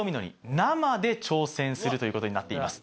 このするということになっています